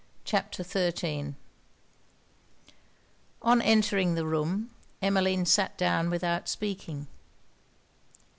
CHAPTER XIII On entering the room, Emmeline sat down without speaking.